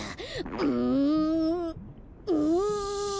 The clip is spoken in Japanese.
うんうん。